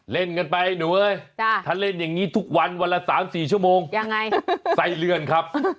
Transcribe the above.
เล่นกันไปหนูเอ้ยถ้าเล่นอย่างนี้ทุกวันวันละ๓๔ชั่วโมงยังไงใส่เรือนครับ